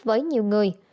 với nhiều người